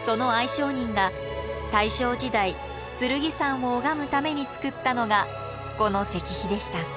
その藍商人が大正時代剣山を拝むために作ったのがこの石碑でした。